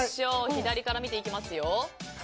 左から見ていきますね。